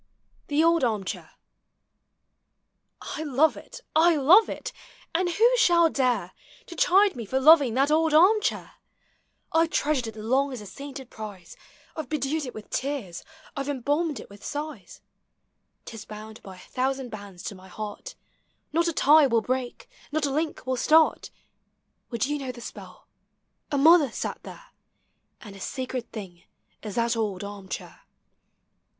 THE OLD ARM CHAIR. I love it, I love it! and who shall dare To chide me for loving that old arm chair? I 've treasured it long as a sainted prize, I 've bedewed it with tears, I 've embalmed it with sighs. Digitized by Google ABOUT CHILD REX. 93 'T is bound by a thousand bands to uiy heart ; Not a tie will break, not a link will start; Would you know the spell? — a mother sat there! And a sacred thiug is that old arm chair.